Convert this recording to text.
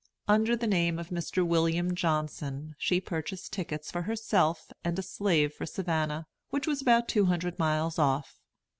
Under the name of Mr. William Johnson, she purchased tickets for herself and slave for Savannah, which was about two hundred miles off.